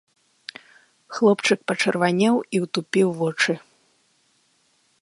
Хлопчык пачырванеў і ўтупіў вочы.